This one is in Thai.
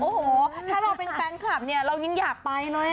โอ้โหถ้าเราเป็นแฟนคลับเรายังอยากไปหน่อย